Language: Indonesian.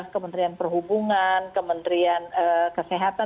kementerian perhubungan kementerian kesehatan